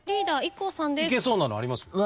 いけそうなのあります？